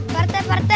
pak rt pak rt